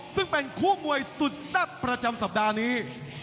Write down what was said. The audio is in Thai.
ซึ่งเป็นคู่มวยสุดแซ่บประจำสัปดาห์นี้